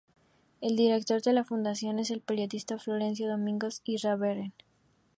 El director de la fundación es el periodista Florencio Domínguez Iribarren.